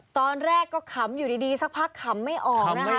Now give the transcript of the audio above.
ตอนแรกก็ขำอยู่ดีสักพักขำไม่ออกนะคะ